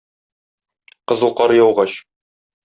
Кызыл кар яугач.